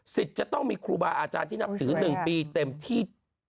จะต้องมีครูบาอาจารย์ที่นับถือ๑ปีเต็มที่